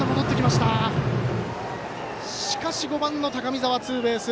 しかし、５番の高見澤ツーベース。